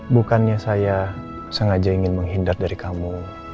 bukannya saya sengaja ingin menghindar dari kamu